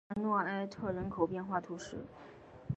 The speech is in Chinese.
卡尔诺埃特人口变化图示